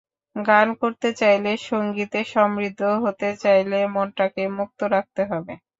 গান করতে চাইলে, সংগীতে সমৃদ্ধ হতে চাইলে মনটাকে মুক্ত রাখতে হবে।